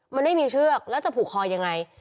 มันไม่มีเชือกแล้วจะผูกคอยังไง